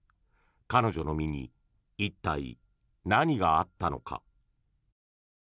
彼女の身に一体何があったのか。